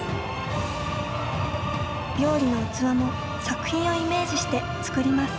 料理の器も作品をイメージして作ります。